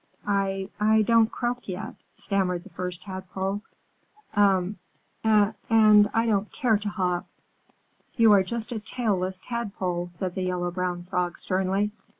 "I I don't croak yet," stammered the First Tadpole, "a and I don't care to hop." "You are just a tailless Tadpole," said the Yellow Brown Frog sternly.